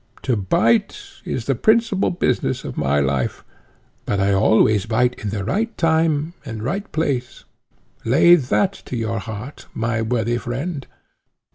To bite is the principal business of my life, but I always bite in the right time and right place; lay that to your heart, my worthy friend.